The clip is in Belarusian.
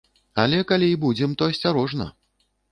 Але калі і будзем, то асцярожна!